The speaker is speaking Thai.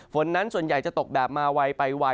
ฝนนั้นส่วนใหญ่จะตกแบบมาไวไปไว